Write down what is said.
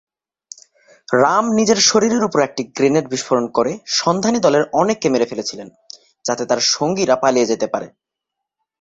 রাম নিজের শরীরের উপর একটি গ্রেনেড বিস্ফোরণ করে সন্ধানী দলের অনেককে মেরে ফেলেছিলেন, যাতে তাঁর সঙ্গীরা পালিয়ে যেতে পারেন।